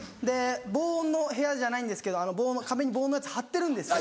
防音の部屋じゃないんですけど壁に防音のやつ貼ってるんです。